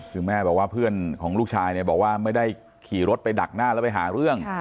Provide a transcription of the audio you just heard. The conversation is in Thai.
คือแม่บอกว่าเพื่อนของลูกชายเนี่ยบอกว่าไม่ได้ขี่รถไปดักหน้าแล้วไปหาเรื่อง